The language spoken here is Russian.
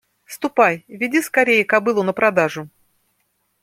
Ступай веди скорее кобылу на продажу.